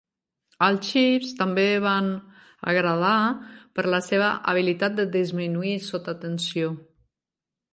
Els xips també van agradar per la seva habilitat de disminuir sotatensió.